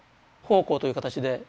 奉公という形で。